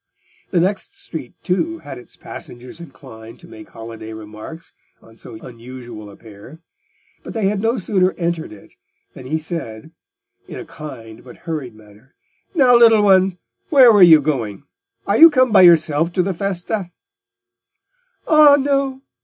The next street, too, had its passengers inclined to make holiday remarks on so unusual a pair; but they had no sooner entered it than he said, in a kind but hurried manner, "Now, little one, where were you going? Are you come by yourself to the Festa?" "Ah, no!"